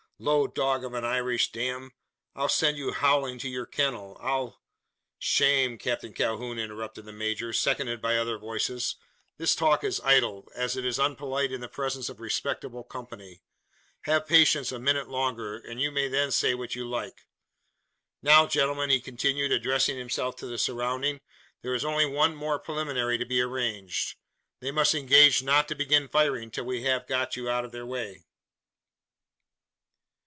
"Low dog of an Irish dam! I'll send you howling to your kennel! I'll " "Shame, Captain Calhoun!" interrupted the major, seconded by other voices. "This talk is idle, as it is unpolite in the presence of respectable company. Have patience a minute longer; and you may then say what you like. Now, gentlemen!" he continued, addressing himself to the surrounding, "there is only one more preliminary to be arranged. They must engage not to begin firing till we have got out of their way?"